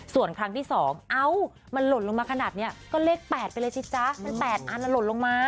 ส่วนครั้งที่๒เอ้ามันหล่นลงมาขนาดนี้ก็เลข๘ไปเลยสิจ๊ะมัน๘อันหล่นลงมา